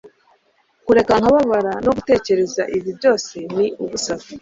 kureka nkababara no gutekereza ibi byose ni ubusa